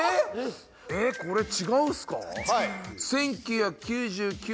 えっこれ違うんすか？